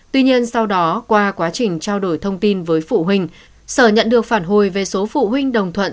tuy nhiên sau đó qua quá trình trao đổi thông tin với phụ huynh sở nhận được phản hồi về số phụ huynh đồng thuận